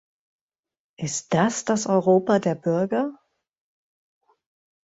Ist das das Europa der Bürger?